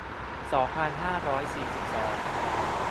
สองพันห้าร้อยสี่สิบสอง